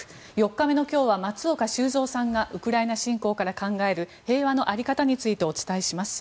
４日目の今日は松岡修造さんがウクライナ侵攻から考える平和の在り方についてお伝えします。